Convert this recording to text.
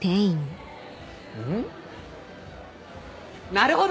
なるほど！